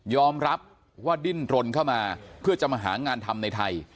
รับว่าดิ้นรนเข้ามาเพื่อจะมาหางานทำในไทย